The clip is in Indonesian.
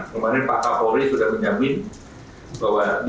kemarin pak kapolri sudah menjamin bahwa